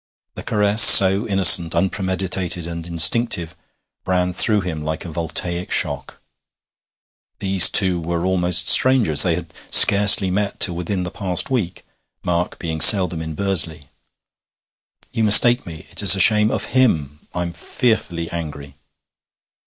The caress, so innocent, unpremeditated, and instinctive, ran through him like a voltaic shock. These two were almost strangers; they had scarcely met till within the past week, Mark being seldom in Bursley. 'You mistake me it is a shame of him! I'm fearfully angry.'